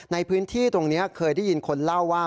ในพื้นที่ตรงนี้เคยได้ยินคนเล่าว่า